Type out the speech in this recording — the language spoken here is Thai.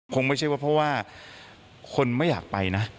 คงไม่ใช่ว่าเพราะว่าคนไม่อยากไปนะ